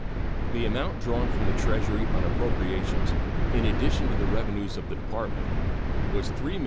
The amount drawn from the Treasury on appropriations, in addition to the revenues of the Department, was $3,031,454.